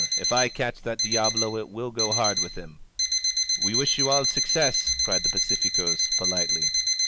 If I catch that diahlo it will go hard with him !" *nVe wish you all success!' cried the pacificoSy po litely.